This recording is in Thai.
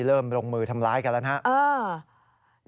เริ่มลงมือทำร้ายกันแล้ว